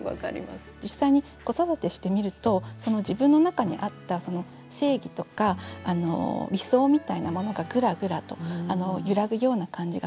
実際に子育てしてみると自分の中にあった正義とか理想みたいなものがぐらぐらと揺らぐような感じがする。